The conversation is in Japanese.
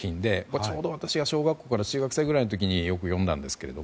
ちょうど私が小学校から中学生くらいの時によく読んだんですけど。